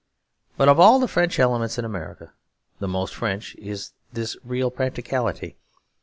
But of all the French elements in America the most French is this real practicality.